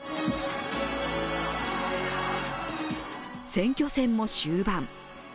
選挙戦も終盤。